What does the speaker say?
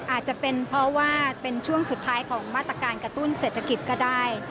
อาจจะเป็นเพราะว่าเป็นช่วงสุดท้ายของมาตรการกระตุ้นเศรษฐกิจก็ได้